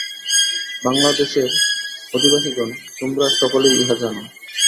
বাঙলা দেশের অধিবাসীগণ, তোমরা সকলেই ইহা জান।